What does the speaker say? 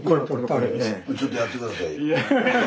ちょっとやって下さいよ。